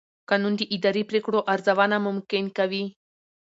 قانون د اداري پرېکړو ارزونه ممکن کوي.